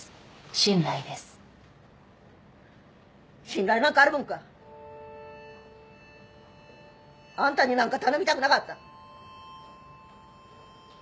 信頼なんかあるもんか。あんたになんか頼みたくなかった。